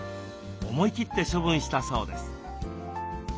思い切って処分したそうです。